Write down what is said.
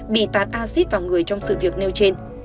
bị tán acid vào người trong sự việc nêu trên